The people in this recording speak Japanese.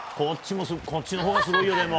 こっちのほうがすごいよ、でも。